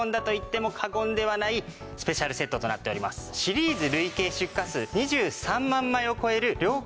シリーズ累計出荷数２３万枚を超える涼感